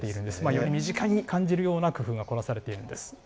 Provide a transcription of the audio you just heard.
より身近に感じるような工夫が凝らされているんです。